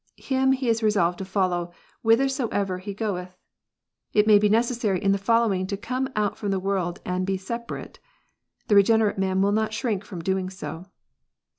Him he is resolved to follow whithersoever He goeth. It may be necessary in this following to come out from the world and be separate. The regenerate man will not shrink from doing so.